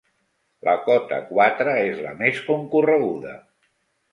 La cota quatre és la més concorreguda.